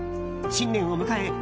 新年を迎え